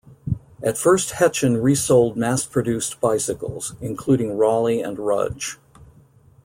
At first Hetchin resold mass-produced bicycles, including Raleigh and Rudge.